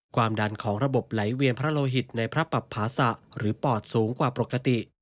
ความดันของระบบไหลเวียนพระโลหิตในพระปับภาษะหรือปอดสูงกว่าปกติ